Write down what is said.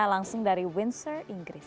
langsung dari windsor inggris